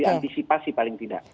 sudah diantisipasi paling tidak